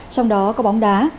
trong đó có bóng đá